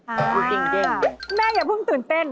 อ่าแม่อย่าพึ่งตื่นเต้น